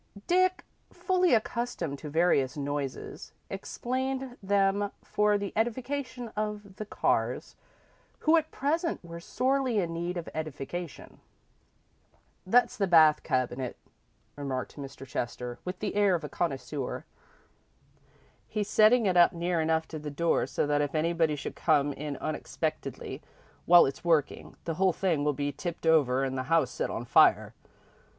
Dick, fully accustomed to various noises, explained them for the edification of the Carrs, who at present were sorely in need of edification. "That's the bath cabinet," remarked Mr. Chester, with the air of a connoisseur. "He's setting it up near enough to the door so that if anybody should come in unexpectedly while it's working, the whole thing will be tipped over and the house set on fire.